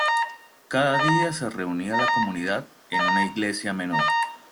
Cada día se reunía la comunidad en una iglesia menor.